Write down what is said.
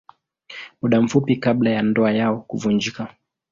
Muda mfupi kabla ya ndoa yao kuvunjika.